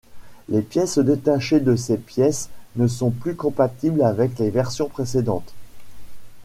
Les pièces détachées de ces pièces ne sont plus compatible avec les versions précédentes.